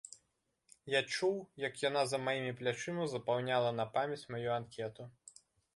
Я чуў, як яна за маімі плячыма запаўняла на памяць маю анкету.